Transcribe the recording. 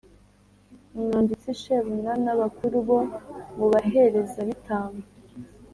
umwanditsi Shebuna n’abakuru bo mu baherezabitambo,